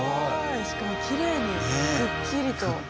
しかもきれいにくっきりと。